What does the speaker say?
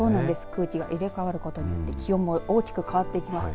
空気が入れ替わることで気温も大きく変わってきます。